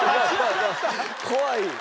怖い。